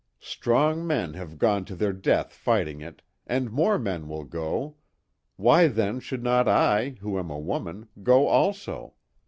Strong men have gone to their death fighting it, and more men will go why then should not I, who am a woman, go also?